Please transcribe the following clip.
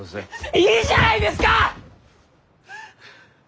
いいじゃないですか！